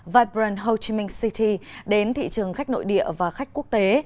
vibrant ho chi minh city đến thị trường khách nội địa và khách quốc tế